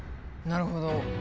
なるほど。